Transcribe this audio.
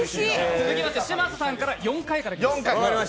続きまして嶋佐さんから、４回いきます。